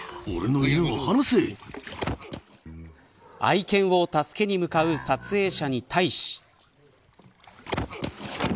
愛犬を助けに向かう撮影者に対し。